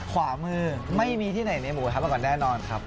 ขวามือไม่มีที่ไหนในหมูครับมาก่อนแน่นอนครับ